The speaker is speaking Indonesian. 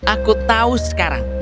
aku tahu sekarang